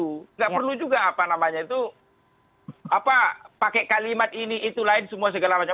tidak perlu juga apa namanya itu pakai kalimat ini itu lain semua segala macam